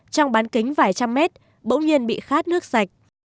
trong bán kính vài trăm mét bỗng nhiên bị khát nước sạch